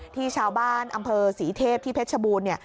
ที่ชาวบ้านอำเภอสีเทพที่เพชรชบูรณ์